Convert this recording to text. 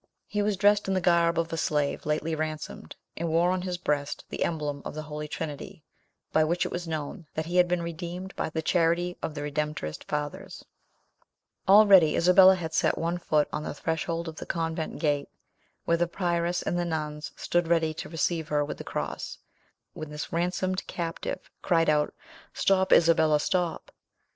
He was dressed in the garb of a slave lately ransomed, and wore on his breast the emblem of the Holy Trinity, by which it was known that he had been redeemed by the charity of the Redemptorist fathers. Already Isabella had set one foot on the threshold of the convent gate, where the prioress and the nuns stood ready to receive her with the cross, when this ransomed captive cried out, "Stop, Isabella, stop!"